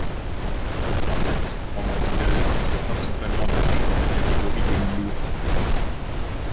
En fait, pendant cette période il s'est principalement battu dans la catégorie des mi-lourds.